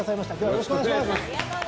よろしくお願いします。